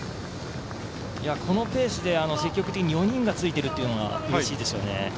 このペースで積極的に４人がついているというのがうれしいですよね。